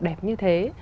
đẹp như thế